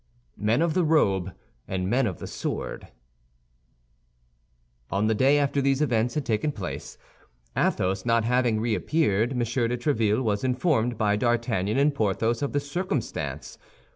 MEN OF THE ROBE AND MEN OF THE SWORD On the day after these events had taken place, Athos not having reappeared, M. de Tréville was informed by D'Artagnan and Porthos of the circumstance.